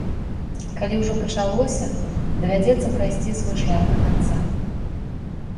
Калі ўжо пачалося, давядзецца прайсці свой шлях да канца.